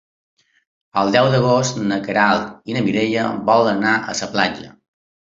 El deu d'agost na Queralt i na Mireia volen anar a la platja.